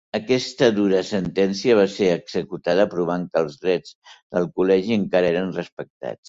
Aquesta dura sentència va ser executada, provant que els drets del Col·legi encara eren respectats.